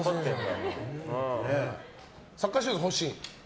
サッカーシューズ欲しい？